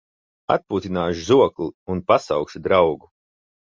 Atpūtināšu žokli un pasaukšu draugu.